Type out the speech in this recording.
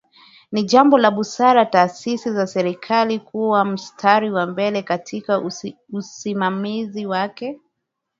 Ni jambo la busara taasisi za Serikali kuwa mstari wa mbele katika usimamizi wake